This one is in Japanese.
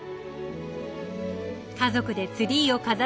家族でツリーを飾ったり。